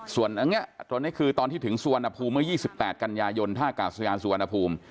ส่วนอันนี้ตรงนี้คือตอนที่ถึงสุวรรณภูมิเมื่อ๒๘กันยายนท่ากาศยานสุวรรณภูมิ